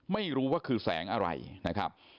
ไม่รู้ว่าคือแสงอะไรนะครับ